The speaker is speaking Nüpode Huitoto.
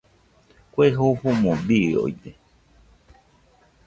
Kue jofomo biooide.